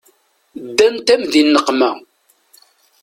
Ddant-am di nneqma.